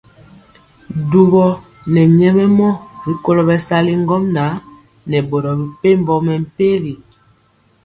Dubɔ nɛ nyɛmemɔ rikolo bɛsali ŋgomnaŋ nɛ boro mepempɔ mɛmpegi.